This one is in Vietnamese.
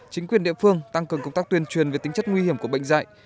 chính quyền địa phương tăng cường công tác tuyên truyền về tính chất nguy hiểm của bệnh dạy